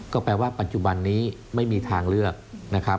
ก็แปลว่าปัจจุบันนี้ไม่มีทางเลือกนะครับ